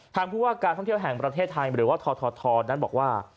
ผู้ว่าการท่องเที่ยวแห่งประเทศไทยหรือว่าททนั้นบอกว่า